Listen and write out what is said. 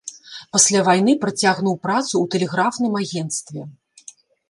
Пасля вайны працягнуў працу ў тэлеграфным агенцтве.